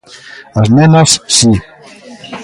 As nenas, si.